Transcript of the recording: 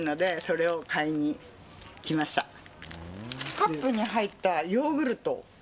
カップに入ったヨーグルト。